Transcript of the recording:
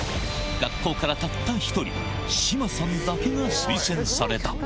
学校からたった１人、志麻さんだけが推薦された。